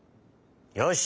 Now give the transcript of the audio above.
よし！